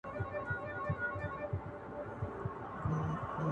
د کتاب تر اشو ډېر دي زما پر مخ ښکلي خالونه.!